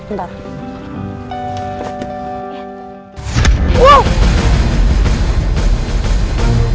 agak kenceng nggak ke dalam